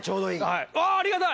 うわありがたい！